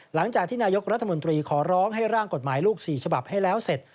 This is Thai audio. หลังจากที่นายกรัฐมนตรีขอร้องให้ร่างกฎหมายลูก๔ฉบับให้แล้วเสร็จ